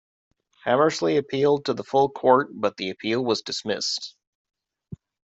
Hamersley appealed to the full court, but the appeal was dismissed.